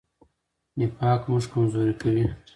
نفاق موږ کمزوري کوي.